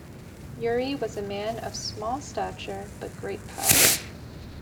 Urey was a man of small stature but great power.